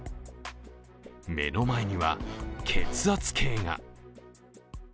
目の前には血圧計が。